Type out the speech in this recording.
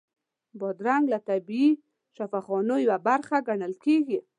بادرنګ له طبیعي شفاخانو یوه برخه ګڼل کېږي.